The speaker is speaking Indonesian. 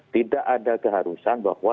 tidak ada keharusan bahwa